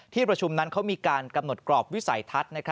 ที่ประชุมนั้นเขามีการกำหนดกรอบวิสัยทัศน์